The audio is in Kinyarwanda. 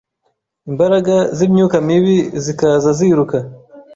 imbaraga z’imyuka mibi zikaza ziruka,